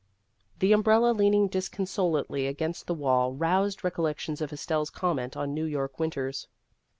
' The umbrella leaning disconsolately against the wall roused recollections of Estelle's comment on New York winters.